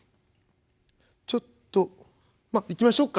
ちょっとまっ行きましょっか」。